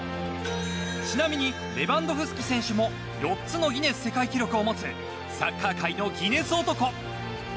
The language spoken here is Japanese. ちなみに、レバンドフスキ選手も４つのギネス世界記録を持つサッカー界のギネス男。